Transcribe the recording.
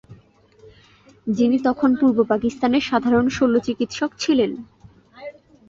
যিনি তখন পূর্ব পাকিস্তানের সাধারণ শল্য-চিকিৎসক ছিলেন।